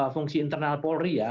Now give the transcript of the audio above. fungsi internal polri ya